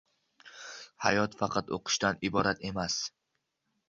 Hayot faqat o`qishdan iborat emas